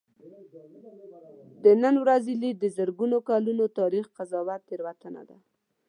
د نن ورځې لید د زرګونو کلونو تاریخ قضاوت تېروتنه ده.